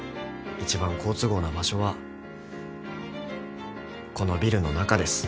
一番好都合な場所はこのビルの中です。